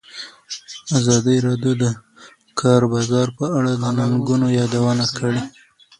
ازادي راډیو د د کار بازار په اړه د ننګونو یادونه کړې.